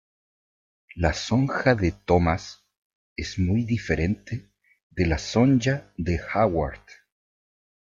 La Sonja de Thomas es muy diferente de la Sonya de Howard.